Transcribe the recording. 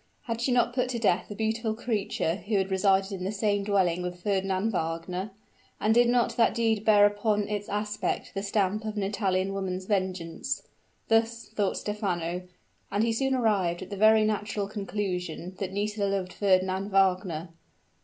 Had she not put to death a beautiful creature who had resided in the same dwelling with Fernand Wagner? and did not that deed bear upon its aspect the stamp of an Italian woman's vengeance? Thus thought Stephano, and he soon arrived at the very natural conclusion that Nisida loved Fernand Wagner.